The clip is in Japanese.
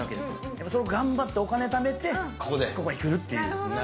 でもそれを頑張ってお金をためて、ここに来るっていう。